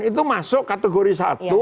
itu masuk kategori satu